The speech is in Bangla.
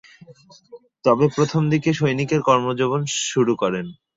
তবে প্রথম দিকে সৈনিকের কর্মজীবন শুরু করেন।